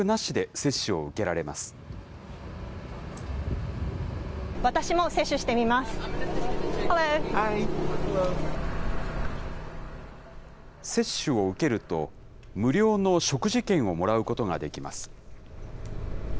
接種を受けると、無料の食事券をもらうことができます。